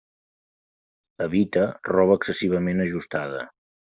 Evita roba excessivament ajustada.